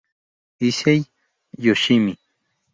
Issei Yoshimi